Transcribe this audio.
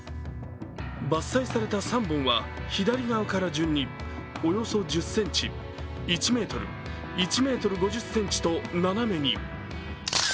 伐採された３本は左側から順に、およそ１０ｃｍ、１ｍ、１ｍ５０ｃｍと斜めに。